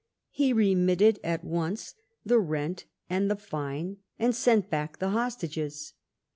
He remitted at once the rent and the fine and seni back the hostages.